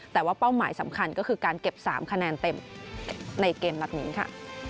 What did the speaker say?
แต่ว่าเป้าหมายสำคัญก็คือการเก็บ๓คะแนนเต็มในเกมนัดนี้ค่ะ